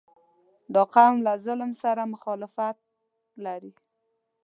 • دا قوم له ظلم سره مخالفت لري.